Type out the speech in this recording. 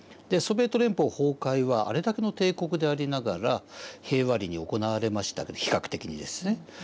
ソビエト連邦崩壊はあれだけの帝国でありながら平和裏に行われました比較的にですね。